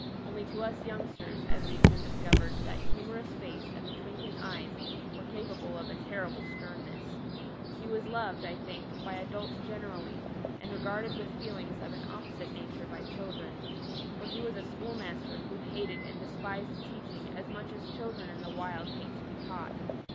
Only to us youngsters, as we soon discovered, that humorous face and the twinkling eyes were capable of a terrible sternness. He was loved, I think, by adults generally, and regarded with feelings of an opposite nature by children. For he was a schoolmaster who hated and despised teaching as much as children in the wild hated to be taught.